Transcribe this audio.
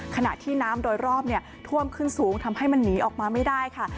ขณะที่น้ำโดยรอบท่วมขึ้นสูงทำให้มันหนีออกมาไม่ได้ค่ะ